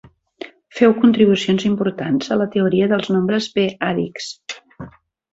Féu contribucions importants a la teoria de nombres p-àdics.